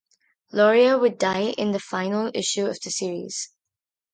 Loria would die in the final issue of the series.